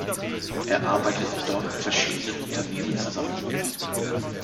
Er arbeitete dort mit verschiedenen Unternehmen zusammen.